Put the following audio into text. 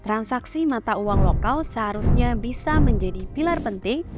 transaksi mata uang lokal seharusnya bisa menjadi pilar penting